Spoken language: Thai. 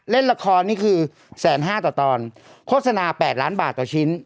เล่นละครนี่คือ๑๕๐๐ต่อตอนโฆษณา๘ล้านบาทต่อชิ้น